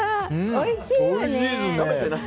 おいしいね。